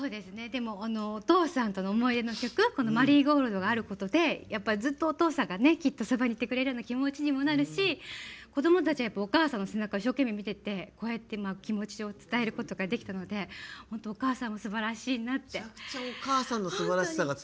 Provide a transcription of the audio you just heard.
お父さんとの思い出の曲「マリーゴールド」があることでずっとお父さんがきっとそばにいてくれるような気持ちにもなるし子どもたちがお母さんの背中を一生懸命見ててこうやって気持ちを伝えることができたのでお母さんもすばらしいなって。